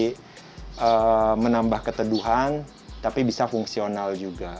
untuk jadi menambah keteduhan tapi bisa fungsional juga